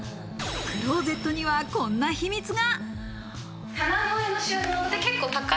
クローゼットにはこんな秘密が。